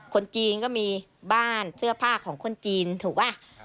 คนจีนก็มีบ้านเสื้อผ้าของคนจีนถูกป่ะ